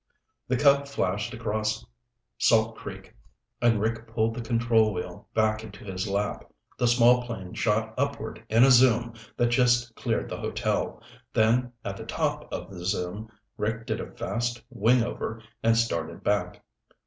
The Cub flashed across Salt Creek and Rick pulled the control wheel back into his lap. The small plane shot upward in a zoom that just cleared the hotel, then at the top of the zoom Rick did a fast wing over and started back.